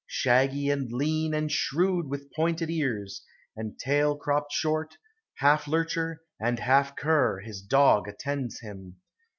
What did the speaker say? Shaggy and lean and shrewd with pointed ears And "tail cropped short, half lurcher and hall cur, His dog attends him.